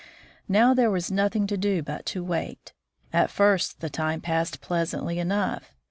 Now there was noth ing to do but to wait. At first the time passed pleasantly enough.